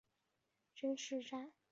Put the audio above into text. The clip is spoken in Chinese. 真土站的铁路车站。